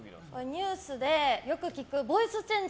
ニュースでよく聞くボイスチェン